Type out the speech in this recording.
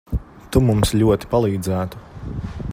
Tu mums ļoti palīdzētu.